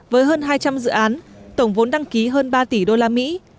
với hơn hai trăm linh dự án tổng vốn đăng ký hơn ba tỷ đô la mỹ